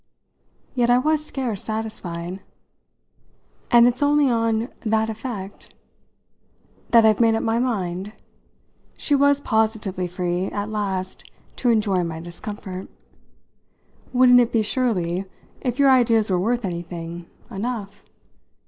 Yet I was scarce satisfied. "And it's only on 'that effect' ?" "That I've made up my mind?" She was positively free at last to enjoy my discomfort. "Wouldn't it be surely, if your ideas were worth anything, enough?